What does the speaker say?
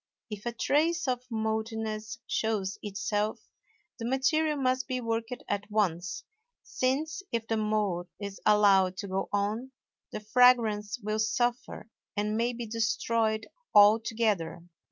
If a trace of mouldiness shows itself, the material must be worked at once, since, if the mould is allowed to go on, the fragrance will suffer and may be destroyed altogether.